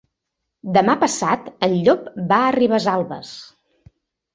Demà passat en Llop va a Ribesalbes.